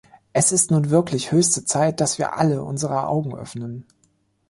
Es ist nun wirklich höchste Zeit, dass wir alle unsere Augen öffnen.